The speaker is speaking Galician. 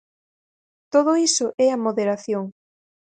Todo iso é a moderación.